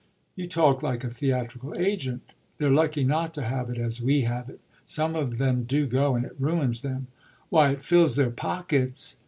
"You talk like a theatrical agent. They're lucky not to have it as we have it. Some of them do go, and it ruins them." "Why, it fills their pockets!"